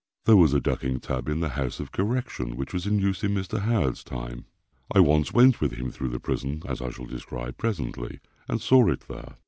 There was a ducking tub in the House of Correction, which was in use in Mr. Howard's time. I once went with him through the prison (as I shall describe presently) and saw it there.